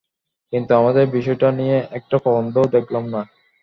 কিন্তু, আমাদের বিষয়টা নিয়ে একটা প্রবন্ধও দেখলাম না।